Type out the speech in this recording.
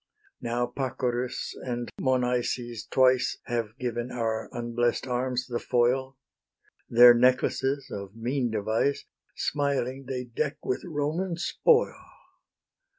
Now Pacorus and Monaeses twice Have given our unblest arms the foil; Their necklaces, of mean device, Smiling they deck with Roman spoil.